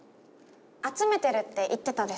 集めてるって言ってたでしょ。